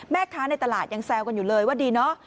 ในตลาดยังแซวกันอยู่เลยว่าดีเนอะ